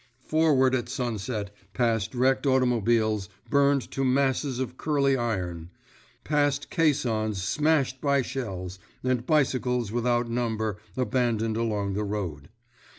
Forward at sunset, past wrecked automobiles, burned to masses of curly iron; past caissons smashed by shells, and bicycles without number abandoned along the road.